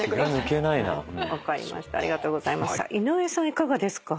いかがですか？